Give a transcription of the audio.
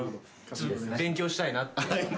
勉強したいなって。